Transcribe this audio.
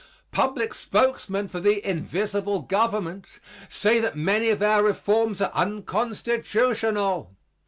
Public spokesmen for the invisible government say that many of our reforms are unconstitutional.